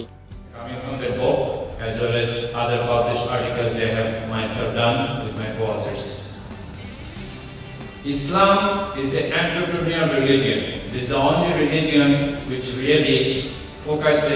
saya juga mencoba mengatasi hal hal seperti ini di beberapa artikel yang saya telah lakukan